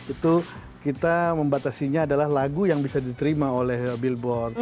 itu kita membatasinya adalah lagu yang bisa diterima oleh billboard